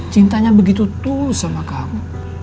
cintanya begitu tuh sama kamu